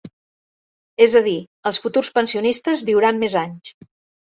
És a dir, els futurs pensionistes viuran més anys.